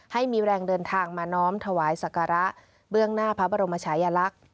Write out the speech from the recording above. ให้มีแรงเดินทางมาน้อมถวายศักระเบื้องหน้าพระบรมชายลักษณ์